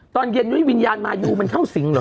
ตอนเย็นนุ่มวิญญาณมาอยู่มันข้อสิ่งหรอ